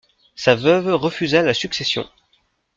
Sa veuve refusa la succession.